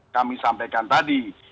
kami sampaikan tadi